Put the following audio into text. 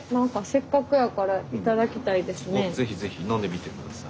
すごい。是非是非飲んでみてください。